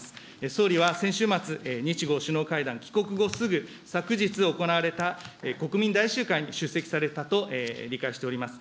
総理は先週末、日豪首脳会談、帰国後すぐ、昨日行われた国民大集会に出席されたと理解しております。